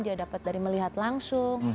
dia dapat dari melihat langsung